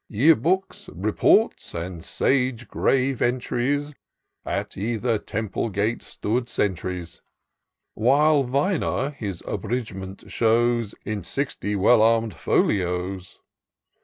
Year Books, Reports, and sage grave Entries, At either Temple gate stood sentries : While Viner his Abridgment shows In sixty well arm'd Folios.